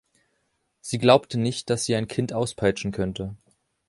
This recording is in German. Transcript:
Sie glaubte nicht, dass sie ein Kind auspeitschen könnte.